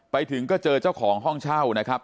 ไปถึงก็เจอเจ้าของห้องเช่านะครับ